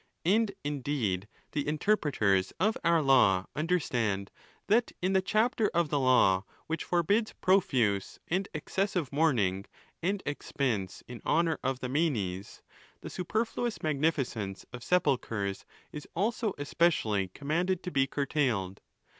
And indeed the interpreters of our law understand that in the chapter of the law which forbids profuse and excessive mourning and expense in honour of the manes, the superfluous magnificence of sepulchres is also especially commanded to be curtailed.